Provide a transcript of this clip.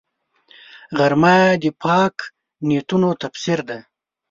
غرمه د پاک نیتونو تفسیر دی